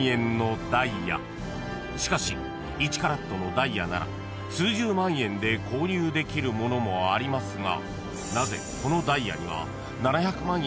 ［しかし１カラットのダイヤなら数十万円で購入できるものもありますが］